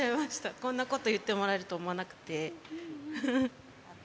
こんなこと言ってもらえるとは思わなくて。